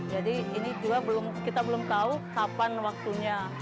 jadi ini juga kita belum tahu kapan waktunya